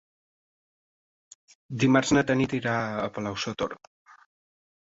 Dimarts na Tanit irà a Palau-sator.